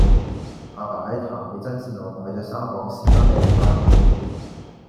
亞爸喺潭尾真善路買左三磅士多啤梨返屋企